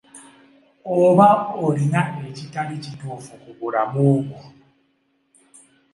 Oba olina ekitali kituufu ku bulamu bwo?